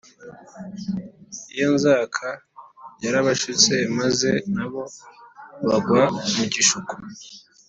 Iyo nzoka yarabashutse maze nabo bagwa mugishuko